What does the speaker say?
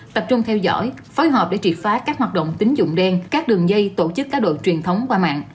tập trung theo dõi phối hợp để triệt phá các hoạt động tính dụng đen các đường dây tổ chức cá độ truyền thống qua mạng